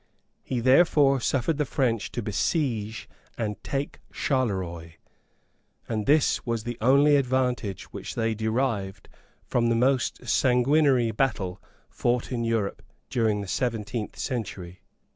He therefore suffered the French to besiege and take Charleroy; and this was the only advantage which they derived from the most sanguinary battle fought in Europe during the seventeenth century.